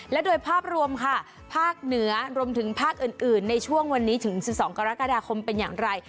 และโดยภาพรวมค่ะภาคเหนือรวมถึงภาคอื่นในช่วงวันนี้ถึง๑๒กรกฎาคมเป็นอย่างไร